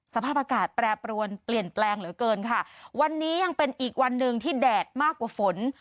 สภาพอากาศแปรปรวนเปลี่ยนแปลงเหลือเกินค่ะวันนี้ยังเป็นอีกวันหนึ่งที่แดดมากกว่าฝน